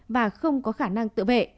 và không có khả năng tự vệ